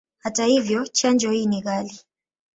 Hata hivyo, chanjo hii ni ghali.